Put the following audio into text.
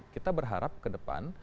kita berharap ke depan